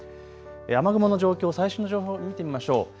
雨雲の状況、最新情報を見てみましょう。